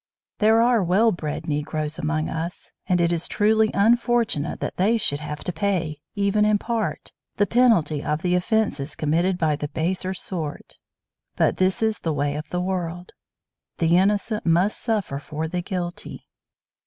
There are well bred Negroes among us, and it is truly unfortunate that they should have to pay, even in part, the penalty of the offenses committed by the baser sort, but this is the way of the world. The innocent must suffer for the guilty.